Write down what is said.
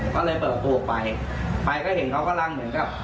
ก็เลยเปิดประตูไปไปก็เห็นเขากำลังเหมือนกับ